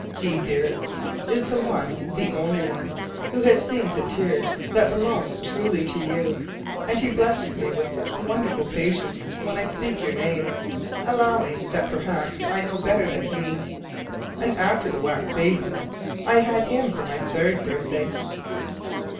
He, dearest, is the one, the only one, who has seen the tears that belong truly to you: and he blesses me with such wonderful patience when I speak your name, allowing that perhaps I know better than he. And after the wax babies I had him for my third birthday.